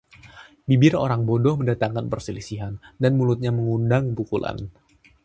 Bibir orang bodoh mendatangkan perselisihan, dan mulutnya mengundang pukulan.